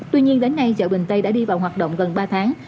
tuy nhiên đến nay chợ bình tây đã đi vào hoạt động gần ba tháng